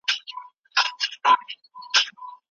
پنجشنبه زموږ د اونۍ تر ټولو ښه کاري ورځ ده.